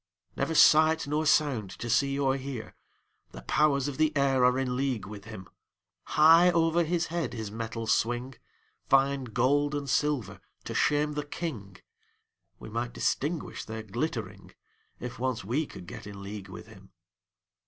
Never sight nor sound to see or hear; The powers of the air are in league with him; High over his head his metals swing, Fine gold and silver to shame the king; We might distinguish their glittering, If once we could get in league with him.